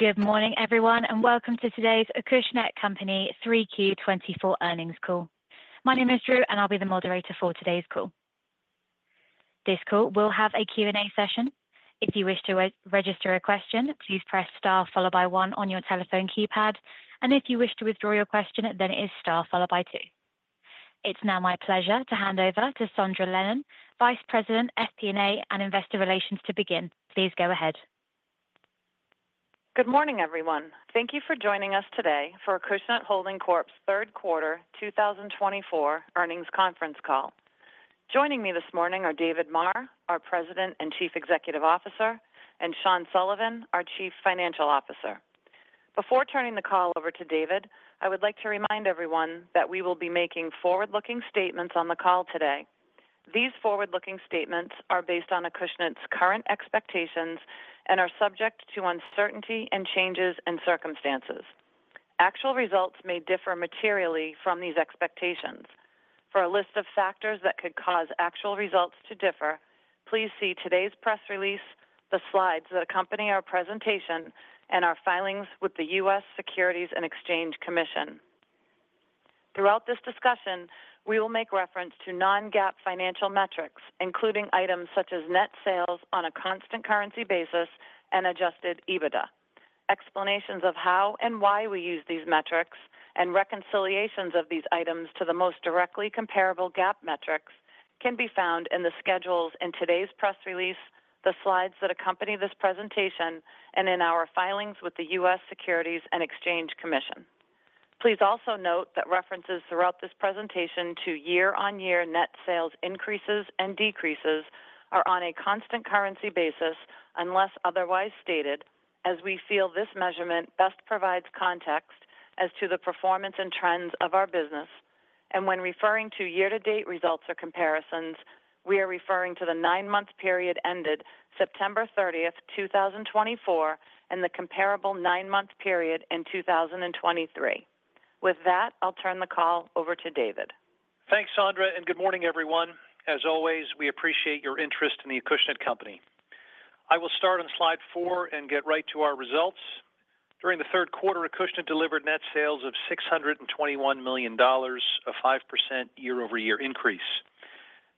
Good morning, everyone, and welcome to today's Acushnet Company 3Q24 Earnings Call. My name is Drew, and I'll be the moderator for today's call. This call will have a Q&A session. If you wish to register a question, please press star followed by one on your telephone keypad, and if you wish to withdraw your question, then it is star followed by two. It's now my pleasure to hand over to Sondra Lennon, Vice President, FP&A and Investor Relations, to begin. Please go ahead. Good morning, everyone. Thank you for joining us today for Acushnet Holdings Corp.'s third quarter 2024 earnings conference call. Joining me this morning are David Maher, our President and Chief Executive Officer, and Sean Sullivan, our Chief Financial Officer. Before turning the call over to David, I would like to remind everyone that we will be making forward-looking statements on the call today. These forward-looking statements are based on Acushnet's current expectations and are subject to uncertainty and changes in circumstances. Actual results may differ materially from these expectations. For a list of factors that could cause actual results to differ, please see today's press release, the slides that accompany our presentation, and our filings with the U.S. Securities and Exchange Commission. Throughout this discussion, we will make reference to non-GAAP financial metrics, including items such as net sales on a constant currency basis and adjusted EBITDA. Explanations of how and why we use these metrics and reconciliations of these items to the most directly comparable GAAP metrics can be found in the schedules in today's press release, the slides that accompany this presentation, and in our filings with the U.S. Securities and Exchange Commission. Please also note that references throughout this presentation to year-on-year net sales increases and decreases are on a constant currency basis unless otherwise stated, as we feel this measurement best provides context as to the performance and trends of our business, and when referring to year-to-date results or comparisons, we are referring to the nine-month period ended September 30th, 2024, and the comparable nine-month period in 2023. With that, I'll turn the call over to David. Thanks, Sondra, and good morning, everyone. As always, we appreciate your interest in the Acushnet Company. I will start on slide four and get right to our results. During the third quarter, Acushnet delivered net sales of $621 million, a 5% year-over-year increase.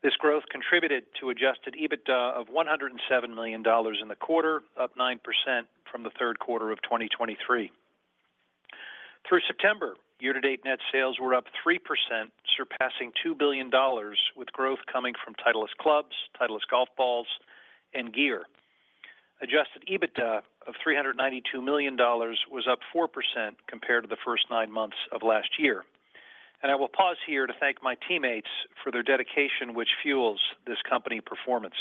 This growth contributed to Adjusted EBITDA of $107 million in the quarter, up 9% from the third quarter of 2023. Through September, year-to-date net sales were up 3%, surpassing $2 billion, with growth coming from Titleist clubs, Titleist golf balls, and gear. Adjusted EBITDA of $392 million was up 4% compared to the first nine months of last year. I will pause here to thank my teammates for their dedication, which fuels this company's performance.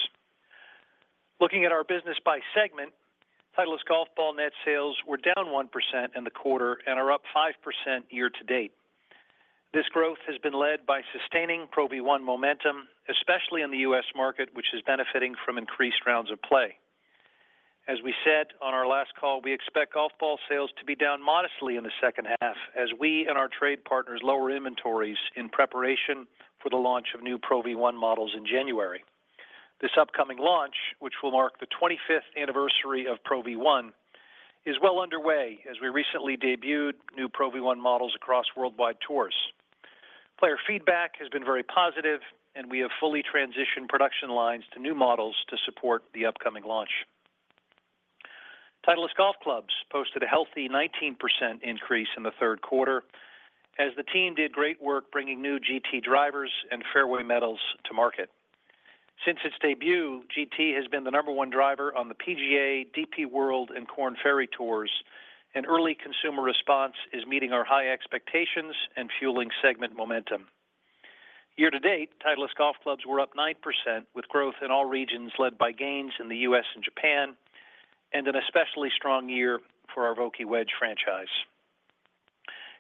Looking at our business by segment, Titleist golf ball net sales were down 1% in the quarter and are up 5% year-to-date. This growth has been led by sustaining Pro V1 momentum, especially in the U.S. market, which is benefiting from increased rounds of play. As we said on our last call, we expect golf ball sales to be down modestly in the second half as we and our trade partners lower inventories in preparation for the launch of new Pro V1 models in January. This upcoming launch, which will mark the 25th anniversary of Pro V1, is well underway as we recently debuted new Pro V1 models across worldwide tours. Player feedback has been very positive, and we have fully transitioned production lines to new models to support the upcoming launch. Titleist golf clubs posted a healthy 19% increase in the third quarter as the team did great work bringing new GT drivers and fairway metals to market. Since its debut, GT has been the number one driver on the PGA, DP World, and Korn Ferry tours, and early consumer response is meeting our high expectations and fueling segment momentum. Year-to-date, Titleist golf clubs were up 9%, with growth in all regions led by gains in the U.S. and Japan, and an especially strong year for our Vokey Wedge franchise.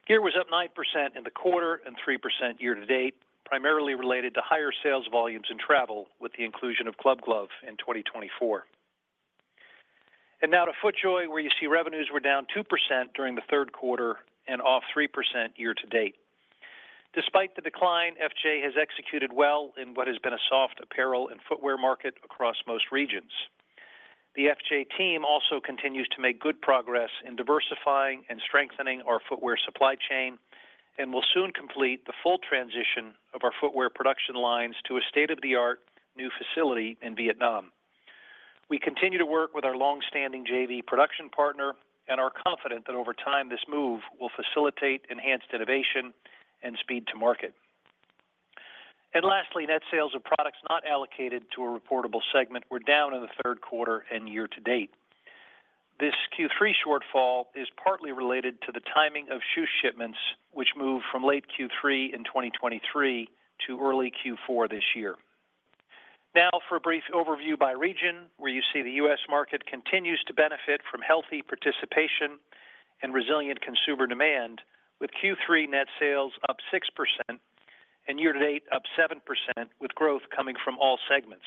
Gear was up 9% in the quarter and 3% year-to-date, primarily related to higher sales volumes and travel with the inclusion of Club Glove in 2024. Now to FootJoy, where you see revenues were down 2% during the third quarter and off 3% year-to-date. Despite the decline, FJ has executed well in what has been a soft apparel and footwear market across most regions. The FJ team also continues to make good progress in diversifying and strengthening our footwear supply chain and will soon complete the full transition of our footwear production lines to a state-of-the-art new facility in Vietnam. We continue to work with our long-standing JV production partner and are confident that over time this move will facilitate enhanced innovation and speed to market. Lastly, net sales of products not allocated to a reportable segment were down in the third quarter and year-to-date. This Q3 shortfall is partly related to the timing of shoe shipments, which moved from late Q3 in 2023 to early Q4 this year. Now for a brief overview by region, where you see the U.S. market continues to benefit from healthy participation and resilient consumer demand, with Q3 net sales up 6% and year-to-date up 7%, with growth coming from all segments.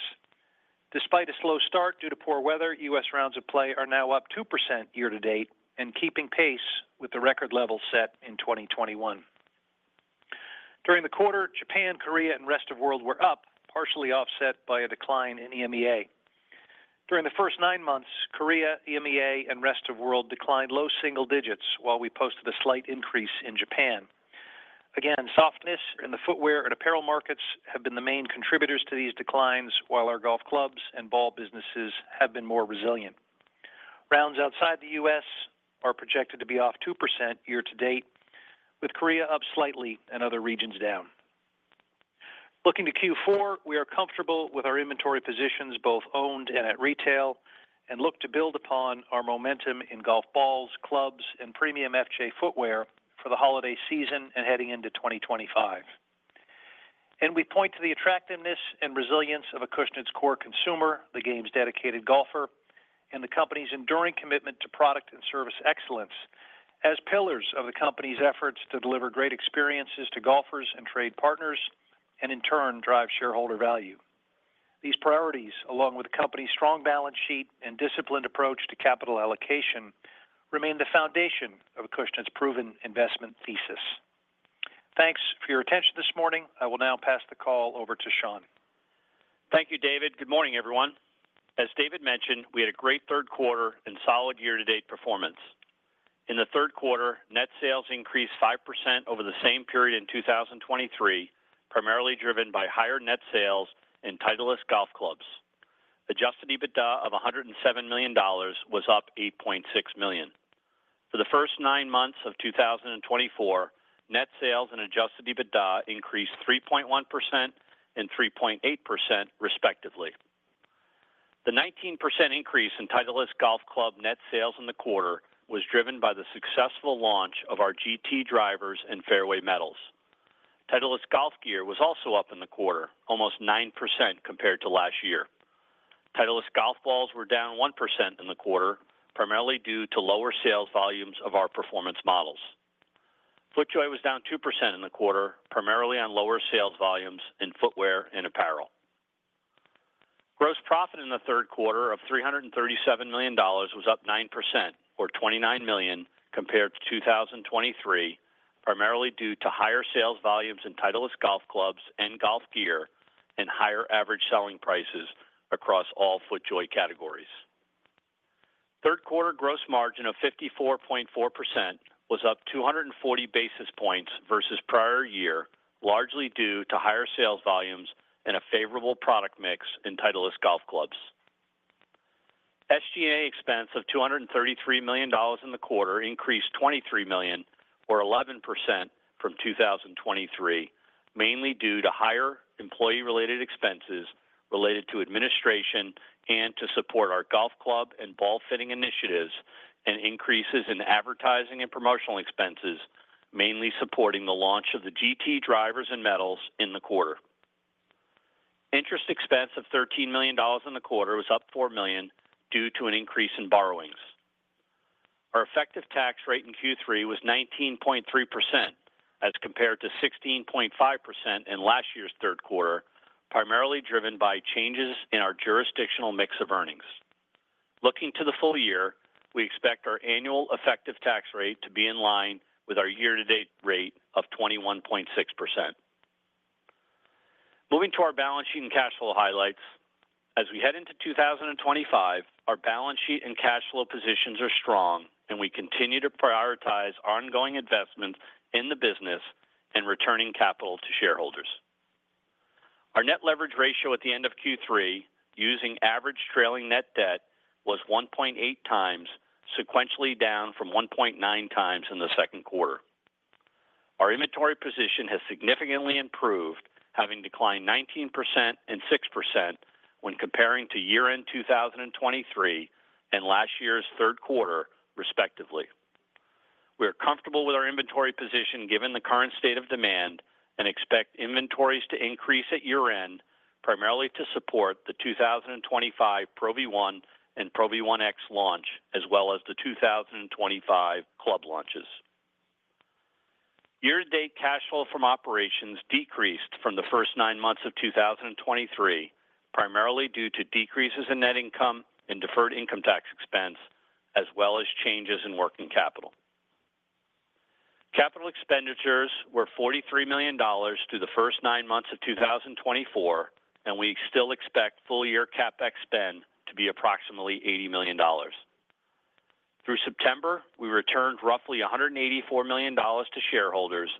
Despite a slow start due to poor weather, U.S. rounds of play are now up 2% year-to-date and keeping pace with the record level set in 2021. During the quarter, Japan, Korea, and Rest of World were up, partially offset by a decline in EMEA. During the first nine months, Korea, EMEA, and Rest of World declined low single digits, while we posted a slight increase in Japan. Again, softness in the footwear and apparel markets have been the main contributors to these declines, while our golf clubs and ball businesses have been more resilient. Rounds outside the U.S. are projected to be off 2% year-to-date, with Korea up slightly and other regions down. Looking to Q4, we are comfortable with our inventory positions, both owned and at retail, and look to build upon our momentum in golf balls, clubs, and premium FJ footwear for the holiday season and heading into 2025. And we point to the attractiveness and resilience of Acushnet's core consumer, the game's dedicated golfer, and the company's enduring commitment to product and service excellence as pillars of the company's efforts to deliver great experiences to golfers and trade partners and, in turn, drive shareholder value. These priorities, along with the company's strong balance sheet and disciplined approach to capital allocation, remain the foundation of Acushnet's proven investment thesis. Thanks for your attention this morning. I will now pass the call over to Sean. Thank you, David. Good morning, everyone. As David mentioned, we had a great third quarter and solid year-to-date performance. In the third quarter, net sales increased 5% over the same period in 2023, primarily driven by higher net sales in Titleist golf clubs. Adjusted EBITDA of $107 million was up $8.6 million. For the first nine months of 2024, net sales and adjusted EBITDA increased 3.1% and 3.8%, respectively. The 19% increase in Titleist golf club net sales in the quarter was driven by the successful launch of our GT drivers and fairway metals. Titleist golf gear was also up in the quarter, almost 9% compared to last year. Titleist golf balls were down 1% in the quarter, primarily due to lower sales volumes of our performance models. FootJoy was down 2% in the quarter, primarily on lower sales volumes in footwear and apparel. Gross profit in the third quarter of $337 million was up 9%, or 29 million, compared to 2023, primarily due to higher sales volumes in Titleist golf clubs and golf gear and higher average selling prices across all FootJoy categories. Third quarter gross margin of 54.4% was up 240 basis points versus prior year, largely due to higher sales volumes and a favorable product mix in Titleist golf clubs. SG&A expense of $233 million in the quarter increased 23 million, or 11%, from 2023, mainly due to higher employee-related expenses related to administration and to support our golf club and ball fitting initiatives and increases in advertising and promotional expenses, mainly supporting the launch of the GT drivers and metals in the quarter. Interest expense of $13 million in the quarter was up 4 million due to an increase in borrowings. Our effective tax rate in Q3 was 19.3% as compared to 16.5% in last year's third quarter, primarily driven by changes in our jurisdictional mix of earnings. Looking to the full year, we expect our annual effective tax rate to be in line with our year-to-date rate of 21.6%. Moving to our balance sheet and cash flow highlights, as we head into 2025, our balance sheet and cash flow positions are strong, and we continue to prioritize ongoing investment in the business and returning capital to shareholders. Our net leverage ratio at the end of Q3, using average trailing net debt, was 1.8 times, sequentially down from 1.9 times in the second quarter. Our inventory position has significantly improved, having declined 19% and 6% when comparing to year-end 2023 and last year's third quarter, respectively. We are comfortable with our inventory position given the current state of demand and expect inventories to increase at year-end, primarily to support the 2025 Pro V1 and Pro V1x launch, as well as the 2025 club launches. Year-to-date cash flow from operations decreased from the first nine months of 2023, primarily due to decreases in net income and deferred income tax expense, as well as changes in working capital. Capital expenditures were $43 million through the first nine months of 2024, and we still expect full-year CapEx spend to be approximately $80 million. Through September, we returned roughly $184 million to shareholders,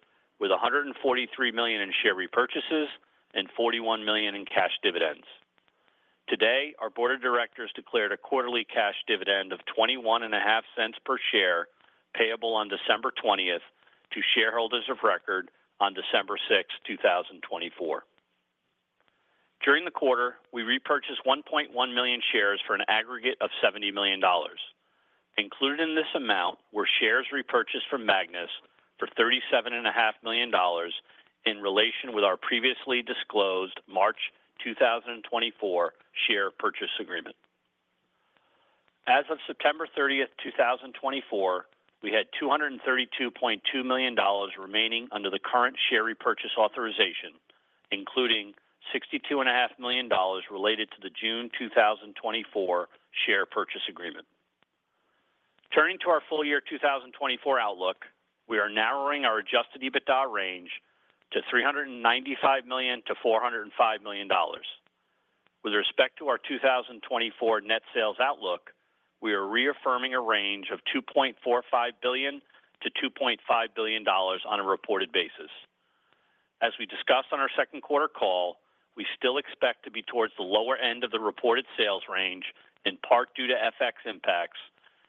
with $143 million in share repurchases and $41 million in cash dividends. Today, our board of directors declared a quarterly cash dividend of $0.215 per share payable on December 20th to shareholders of record on December 6th, 2024. During the quarter, we repurchased 1.1 million shares for an aggregate of $70 million. Included in this amount were shares repurchased from Magnus for $37.5 million in relation with our previously disclosed March 2024 share purchase agreement. As of September 30th, 2024, we had $232.2 million remaining under the current share repurchase authorization, including $62.5 million related to the June 2024 share purchase agreement. Turning to our full-year 2024 outlook, we are narrowing our Adjusted EBITDA range to $395-$405 million. With respect to our 2024 net sales outlook, we are reaffirming a range of $2.45-$2.5 billion on a reported basis. As we discussed on our second quarter call, we still expect to be towards the lower end of the reported sales range, in part due to FX impacts,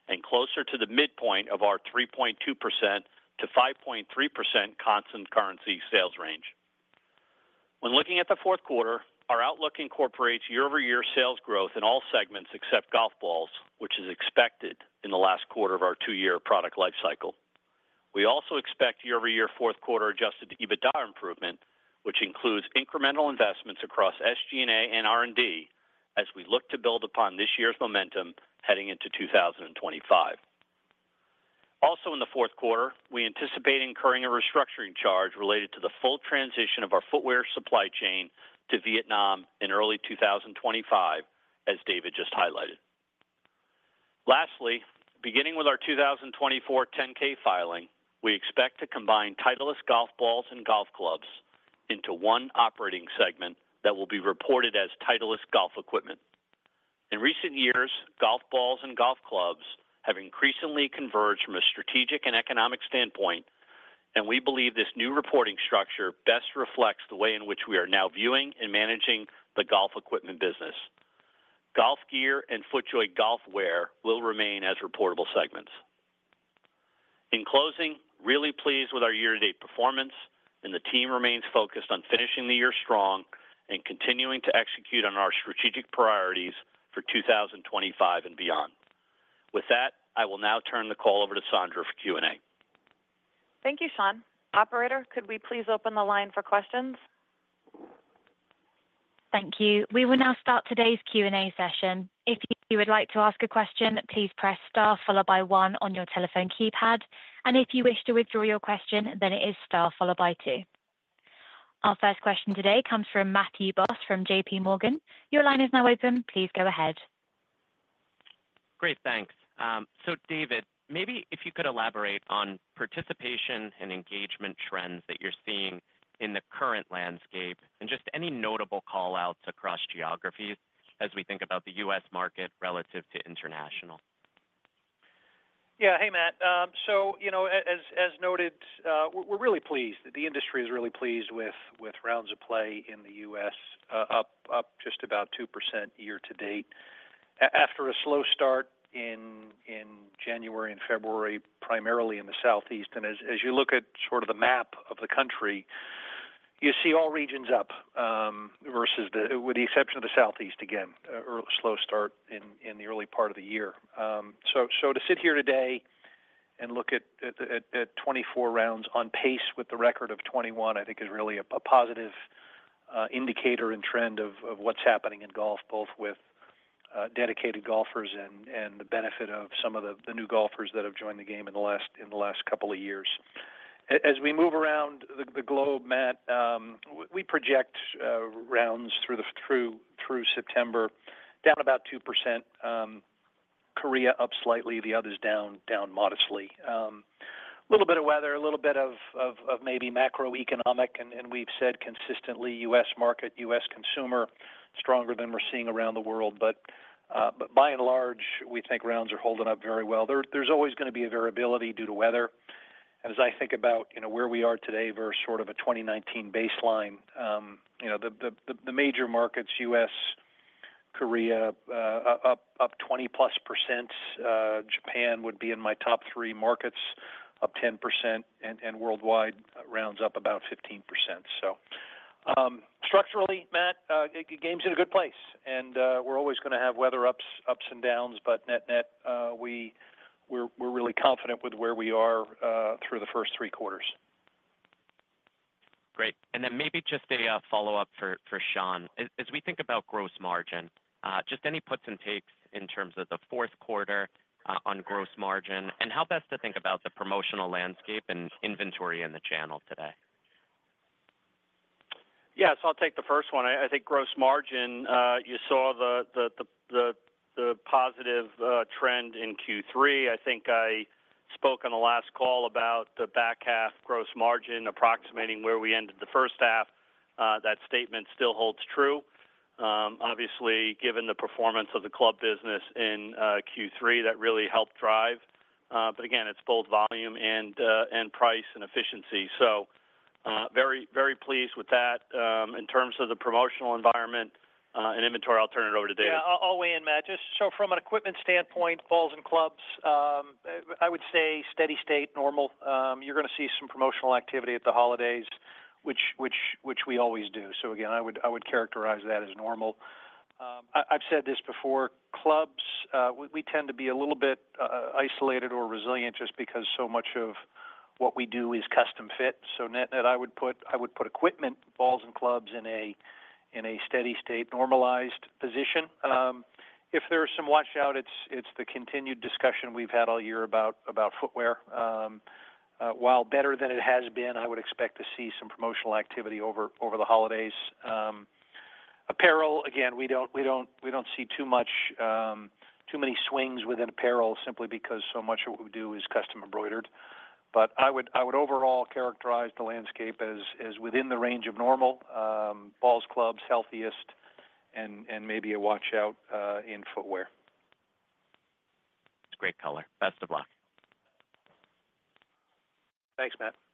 and closer to the midpoint of our 3.2%-5.3% constant currency sales range. When looking at the fourth quarter, our outlook incorporates year-over-year sales growth in all segments except golf balls, which is expected in the last quarter of our two-year product life cycle. We also expect year-over-year fourth quarter Adjusted EBITDA improvement, which includes incremental investments across SG&A and R&D, as we look to build upon this year's momentum heading into 2025. Also, in the fourth quarter, we anticipate incurring a restructuring charge related to the full transition of our footwear supply chain to Vietnam in early 2025, as David just highlighted. Lastly, beginning with our 2024 10-K filing, we expect to combine Titleist golf balls and golf clubs into one operating segment that will be reported as Titleist golf equipment. In recent years, golf balls and golf clubs have increasingly converged from a strategic and economic standpoint, and we believe this new reporting structure best reflects the way in which we are now viewing and managing the golf equipment business. Golf gear and FootJoy golf wear will remain as reportable segments. In closing, really pleased with our year-to-date performance, and the team remains focused on finishing the year strong and continuing to execute on our strategic priorities for 2025 and beyond. With that, I will now turn the call over to Sondra for Q&A. Thank you, Sean. Operator, could we please open the line for questions? Thank you. We will now start today's Q&A session. If you would like to ask a question, please press star followed by one on your telephone keypad, and if you wish to withdraw your question, then it is star followed by two. Our first question today comes from Matthew Boss from J.P. Morgan. Your line is now open. Please go ahead. Great. Thanks. So, David, maybe if you could elaborate on participation and engagement trends that you're seeing in the current landscape and just any notable callouts across geographies as we think about the U.S. market relative to international. Yeah. Hey, Matt. So, you know, as noted, we're really pleased. The industry is really pleased with rounds of play in the U.S., up just about 2% year-to-date after a slow start in January and February, primarily in the Southeast. And as you look at sort of the map of the country, you see all regions up versus the, with the exception of the Southeast, again, slow start in the early part of the year. So, to sit here today and look at 24 rounds on pace with the record of 21, I think is really a positive indicator and trend of what's happening in golf, both with dedicated golfers and the benefit of some of the new golfers that have joined the game in the last couple of years. As we move around the globe, Matt, we project rounds through September down about 2%. Korea up slightly. The others down modestly. A little bit of weather, a little bit of maybe macroeconomic, and we've said consistently U.S. market, U.S. consumer, stronger than we're seeing around the world. But by and large, we think rounds are holding up very well. There's always going to be a variability due to weather. And as I think about where we are today versus sort of a 2019 baseline, the major markets, U.S., Korea, up 20+%. Japan would be in my top three markets, up 10%, and worldwide, rounds up about 15%. So, structurally, Matt, the game's in a good place, and we're always going to have weather ups and downs, but net net, we're really confident with where we are through the first three quarters. Great. And then maybe just a follow-up for Sean. As we think about gross margin, just any puts and takes in terms of the fourth quarter on gross margin and how best to think about the promotional landscape and inventory in the channel today? Yeah. So, I'll take the first one. I think gross margin, you saw the positive trend in Q3. I think I spoke on the last call about the back half gross margin approximating where we ended the first half. That statement still holds true. Obviously, given the performance of the club business in Q3, that really helped drive. But again, it's both volume and price and efficiency. So, very pleased with that. In terms of the promotional environment and inventory, I'll turn it over to David. Yeah. I'll weigh in, Matt. Just from an equipment standpoint, balls and clubs, I would say steady state, normal. You're going to see some promotional activity at the holidays, which we always do. So, again, I would characterize that as normal. I've said this before. Clubs, we tend to be a little bit isolated or resilient just because so much of what we do is custom fit. So, net net, I would put equipment, balls and clubs in a steady state, normalized position. If there's some washout, it's the continued discussion we've had all year about footwear. While better than it has been, I would expect to see some promotional activity over the holidays. Apparel, again, we don't see too many swings within apparel simply because so much of what we do is custom embroidered. But I would overall characterize the landscape as within the range of normal. Balls, clubs, healthiest, and maybe a washout in footwear. That's a great color. Best of luck. Thanks, Matt.